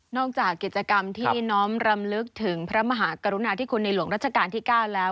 จากกิจกรรมที่น้อมรำลึกถึงพระมหากรุณาธิคุณในหลวงรัชกาลที่๙แล้ว